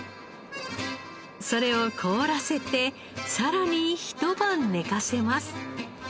それを凍らせてさらに一晩寝かせます。